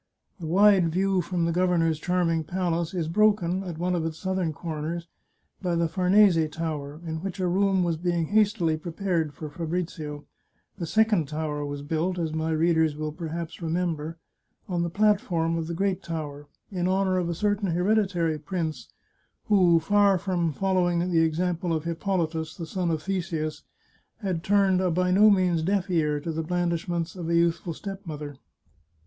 The wide view from the governor's charming palace is broken, at one of its southern corners, by the Farnese Tower, in which a room was being hastily prepared for Fabrizio. This second tower was built, as my readers will perhaps remember, on the platform of the great tower, in honour of a certain hereditary prince, who, far from fol lowing the example of Hippolytus, the son of Theseus, had turned a by no means deaf ear to the blandishments of a youthful stepmother.